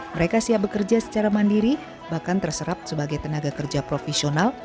mereka siap bekerja secara mandiri bahkan terserap sebagai tenaga kerja profesional